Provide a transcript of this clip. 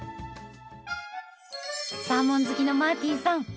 サーモン好きのマーティンさん